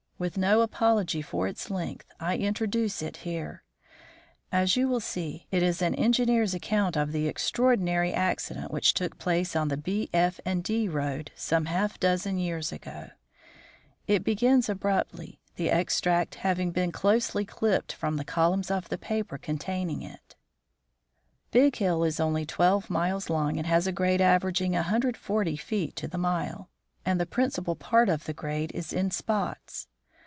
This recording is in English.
With no apology for its length, I introduce it here. As you will see, it is an engineer's account of the extraordinary accident which took place on the B., F. and D. road some half dozen years ago. It begins abruptly, the extract having been closely clipped from the columns of the paper containing it: Big Hill is only twelve miles long and has a grade averaging 140 feet to the mile, and the principal part of the grade is in spots.